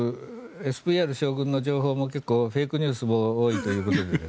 ＳＶＲ将軍の情報も結構、フェイクニュースも多いということで。